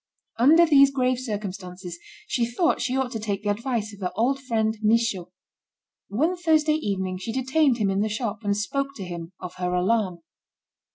Under these grave circumstances, she thought she ought to take the advice of her old friend Michaud. One Thursday evening, she detained him in the shop, and spoke to him of her alarm.